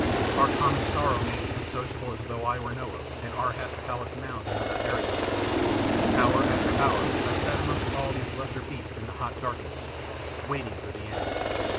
Our common sorrow made us as sociable as though I were Noah, and Ar hap's palace mound another Ararat. Hour after hour I sat amongst all these lesser beasts in the hot darkness, waiting for the end.